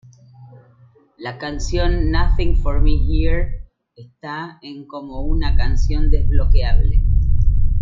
La canción "Nothing For Me Here" Está en como una canción desbloqueable.